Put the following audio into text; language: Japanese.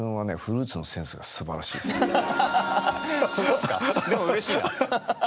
でもうれしいな。